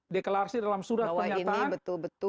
deklarasi dalam surat pernyataan